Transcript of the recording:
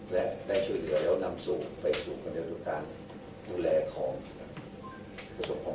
และได้ช่วยเหลือแล้วนำไปสู่กันเดียวกันดูการดูแลของประสบความอ่อ